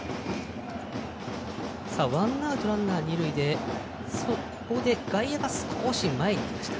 ワンアウトランナー、二塁で外野が少し前に来ました。